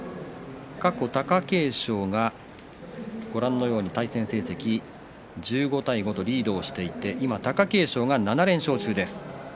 過去、貴景勝が対戦成績１５対５とリードをしていて今、貴景勝が７連勝中です。